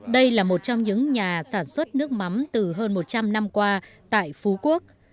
đây là một trong những nhà sản xuất nước mắm từ hơn một trăm linh năm qua tại phú quốc